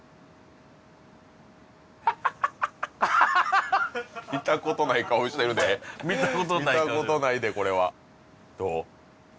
ハハハハハハしてるで見たことない顔見たことないでこれはどう？